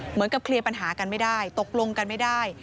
เหมือนกับเคลียร์ปัญหากันไม่ได้ตกลงกันไม่ได้